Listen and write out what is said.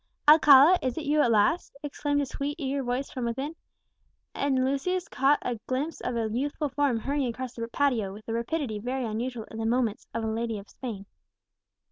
"Alcala, is it you at last?" exclaimed a sweet, eager voice from within; and Lucius caught a glimpse of a youthful form hurrying across the patio with a rapidity very unusual in the movements of a lady of Spain.